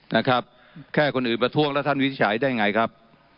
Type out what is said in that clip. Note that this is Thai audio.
นะครับแค่คนอื่นประท้วงแล้วท่านวิจัยได้ไงครับ